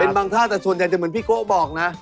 เป็นบางท่าแต่ส่วนใหญ่จะเหมือนพี่โก้บอกนะ